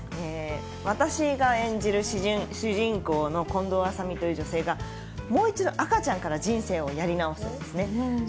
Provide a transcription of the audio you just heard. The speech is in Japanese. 私が演じる主人公の近藤麻美という女性が、もう一度赤ちゃんから人生をやり直すんですね。